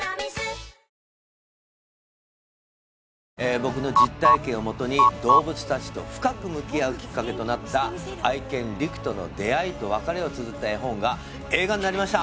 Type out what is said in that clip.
僕の実体験をもとに動物達と深く向き合うきっかけとなった愛犬リクとの出会いと別れをつづった絵本が映画になりました